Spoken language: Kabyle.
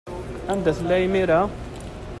Anda tella imir-a?